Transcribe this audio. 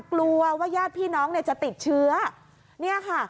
กลัวว่าญาติพี่น้องเนี่ยจะติดเชื้อเนี่ยค่ะ